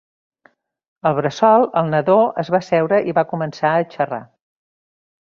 Al bressol, el nadó es va asseure i va començar a xerrar.